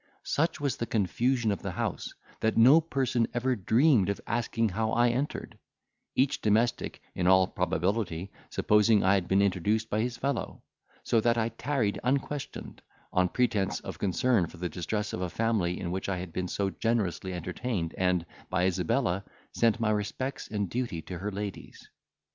Such was the confusion of the house, that no person ever dreamed of asking how I entered, each domestic, in all probability, supposing I had been introduced by his fellow; so that I tarried unquestioned, on pretence of concern for the distress of a family in which I had been so generously entertained, and, by Isabella, sent my respects and duty to her ladies.